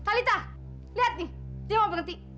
kalitha lihat nih dia mau berhenti